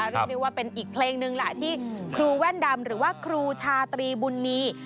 เรียกได้ว่าเป็นอีกเพลงหนึ่งแหละที่ครูแว่นดำหรือว่าครูชาตรีบุญมี